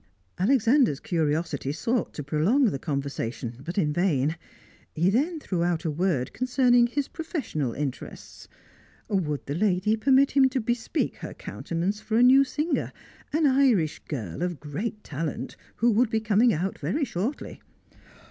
Alexander's curiosity sought to prolong the conversation, but in vain. He then threw out a word concerning his professional interests; would the lady permit him to bespeak her countenance for a new singer, an Irish girl of great talent, who would be coming out very shortly?